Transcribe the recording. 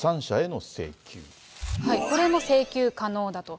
これも請求可能だと。